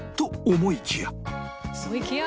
思いきや？